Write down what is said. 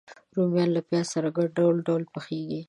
رومیان له پیاز سره ګډ ډول ډول پخېږي